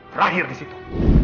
terakhir di situ